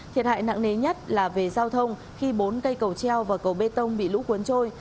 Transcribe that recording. thiệt hại nặng nề nhất là về giao thông khi bốn cây cầu treo và cầu bê tông bị lũ cuốn trôi